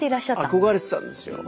憧れてたんですよ。